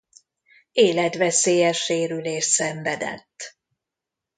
Életveszélyes sérülést szenvedett.